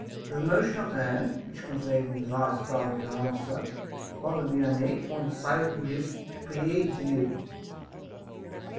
With a motion of the hand, which conveyed an advice rather than an answer, Father Vianney pointed silently to his prie dieu.